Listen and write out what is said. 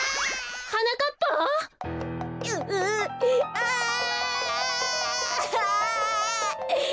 はなかっぱ？ううああ！